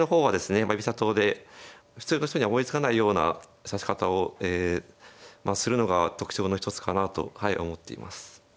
居飛車党で普通の人には思いつかないような指し方をするのが特徴の一つかなとはい思っています。